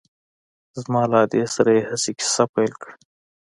زما له ادې سره يې هسې کيسه پيل کړه.